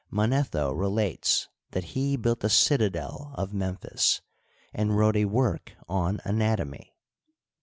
Manetho relates that he built the citadel of Mempnis, and wrote a work on anatomy.